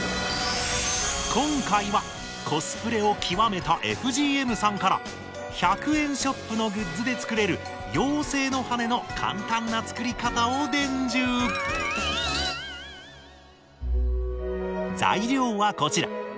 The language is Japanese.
今回はコスプレを究めたＦＧＭさんから１００円ショップのグッズで作れる妖精の羽根の簡単な作り方を伝授材料はこちら。